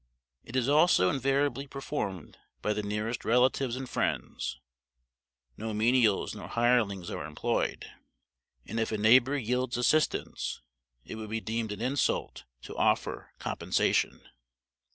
It is also invariably performed by the nearest relatives and friends; no menials nor hirelings are employed, and if a neighbor yields assistance, it would be deemed an insult to offer compensation.